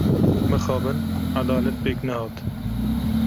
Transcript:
Mixabin edalet pêk nehat.